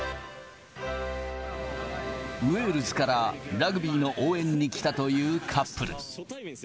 ウェールズからラグビーの応援に来たというカップル。